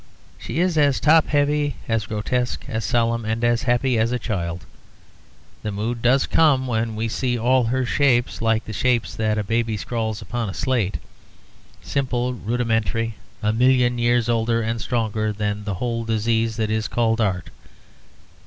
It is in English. She is as top heavy, as grotesque, as solemn and as happy as a child. The mood does come when we see all her shapes like shapes that a baby scrawls upon a slate simple, rudimentary, a million years older and stronger than the whole disease that is called Art.